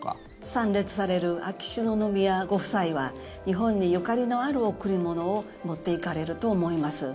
参列される秋篠宮ご夫妻は日本にゆかりのある贈り物を持っていかれると思います。